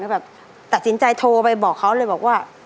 แบบตัดสินใจโทรไปบอกเขาเลยบอกว่า